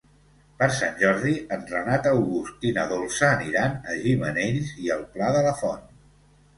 Per Sant Jordi en Renat August i na Dolça aniran a Gimenells i el Pla de la Font.